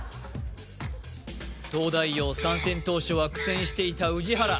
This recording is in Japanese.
東大王参戦当初は苦戦していた宇治原